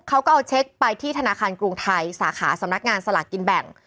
เขาก็เอาเช็คไปที่ธนาคารกรุงไทยสาขาสำนักงานสลากกินแบ่ง